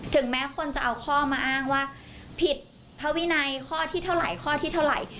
แม้คนจะเอาข้อมาอ้างว่าผิดพระวินัยข้อที่เท่าไหร่ข้อที่เท่าไหร่